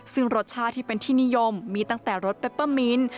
ซึ่งรสชาติที่เป็นที่นิยมมีตั้งแต่รสเปปเปอร์มิน